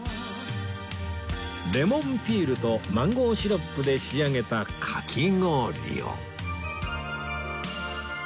レモンピールとマンゴーシロップで仕上げたかき氷を